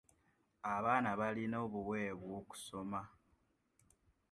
Abaana balina obuweebwa okusoma.